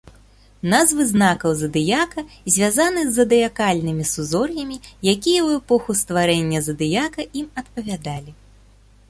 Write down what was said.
Назвы знакаў задыяка звязаны з задыякальнымі сузор'ямі, якія ў эпоху стварэння задыяка ім адпавядалі.